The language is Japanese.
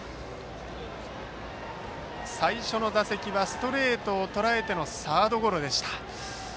最初の打席はストレートをとらえてのサードゴロでした。